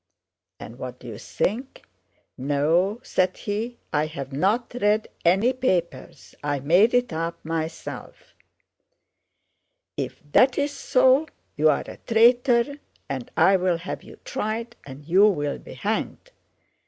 And what do you think? 'No,' said he, 'I have not read any papers, I made it up myself.' 'If that's so, you're a traitor and I'll have you tried, and you'll be hanged!